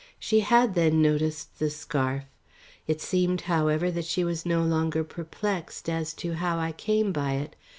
She had, then, noticed the scarf. It seemed, however, that she was no longer perplexed as to how I came by it.